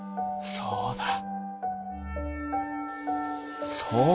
そうだよ！